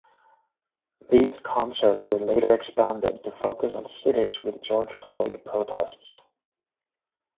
These concerts were later expanded to focus on cities with George Floyd protests.